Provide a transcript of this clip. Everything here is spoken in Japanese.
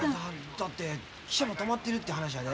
だって汽車も止まってるって話やで。